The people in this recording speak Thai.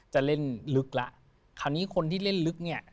จะเล่นลึกแล้วคราวนี้คนที่เล่นลึกเนี่ย